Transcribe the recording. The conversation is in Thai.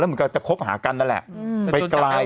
เหมือนกับจะคบหากันนั่นแหละไปไกล